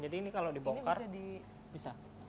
jadi ini kalau dibongkar bisa